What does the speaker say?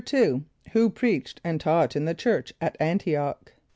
= Who preached and taught in the church at [)A]n´t[)i] och?